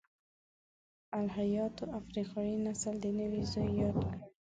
الهیاتو افریقايي نسل د نوح زوی یاد کړ.